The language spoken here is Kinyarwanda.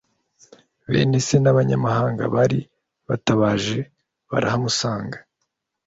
bene se n’abanyamahanga bari batabaje barahamusanga